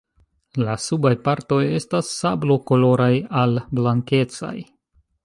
La subaj partoj estas sablokoloraj al blankecaj.